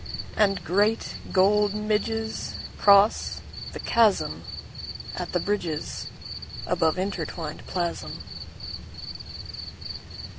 And great gold midgesCross the chasmAt the bridgesAbove intertwined plasm.